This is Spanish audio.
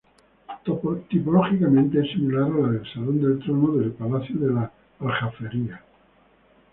Tipológicamente es similar a la del Salón del Trono del Palacio de la Aljafería.